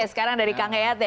sekarang dari kang yayat ya